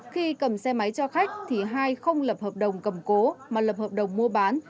khi cầm xe máy cho khách thì hai không lập hợp đồng cầm cố mà lập hợp đồng mua bán